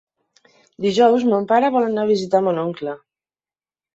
Dijous mon pare vol anar a visitar mon oncle.